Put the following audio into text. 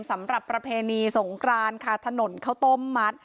สำหรับประเพณีสงคราญค่ะถนนเข้าต้มมัด